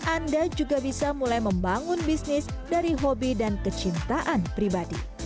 anda juga bisa mulai membangun bisnis dari hobi dan kecintaan pribadi